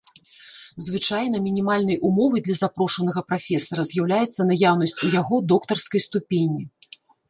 Звычайна мінімальнай умовай для запрошанага прафесара з'яўляецца наяўнасць у яго доктарскай ступені.